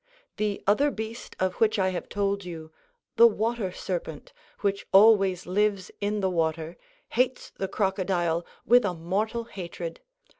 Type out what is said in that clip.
The other beast of which I have told you (the water serpent), which always lives in the water, hates the crocodile with a mortal hatred.